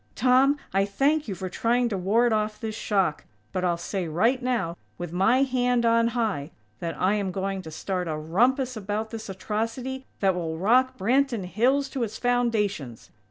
Tom, I thank you for trying to ward off this shock; but I'll say right now, with my hand on high, that I am going to start a rumpus about this atrocity that will rock Branton Hills to its foundations!